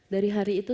dari hari itu